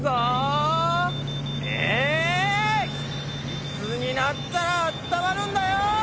いつになったらあったまるんだよ！